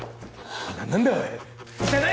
何だおい。